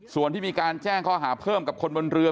ส่วนที่มีการแจ้งข้อหาเพิ่มกับคนบนเรือ